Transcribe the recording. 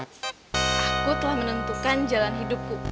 aku telah menentukan jalan hidupku